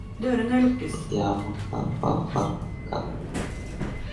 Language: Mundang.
Me yah mo kah fahfalle ɓe kah.